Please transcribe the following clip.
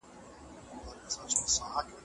رحیم غواړي چې په کور کې نظم وي.